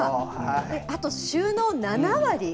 あと収納７割？